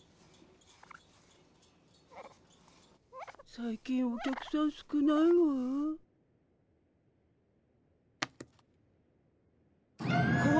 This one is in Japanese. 最近お客さん少ないわ。